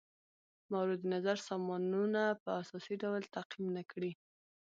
مورد نظر سامانونه په اساسي ډول تعقیم نه کړي.